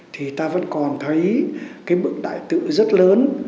thì ta vẫn còn thấy bựng đại tự rất lớn